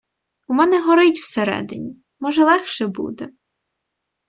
У мене горить всередині, може, легше буде?..